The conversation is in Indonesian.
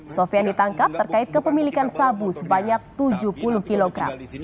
sofian ditangkap terkait kepemilikan sabu sebanyak tujuh puluh kilogram